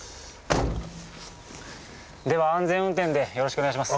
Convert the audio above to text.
では安全運転でよろしくお願いします。